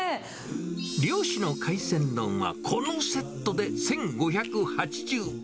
漁師の海鮮丼は、このセットで１５８０円。